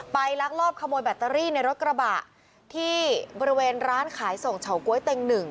ลักลอบขโมยแบตเตอรี่ในรถกระบะที่บริเวณร้านขายส่งเฉาก๊วยเต็งหนึ่ง